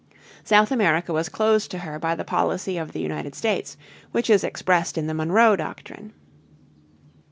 South America was closed to her by the policy of the United States which is expressed in the Monroe Doctrine.